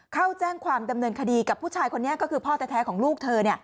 เข้าแจ้งความดำเนินคดีกับผู้ชายคนนี้ก็คือพ่อแท้ของลูกเธอ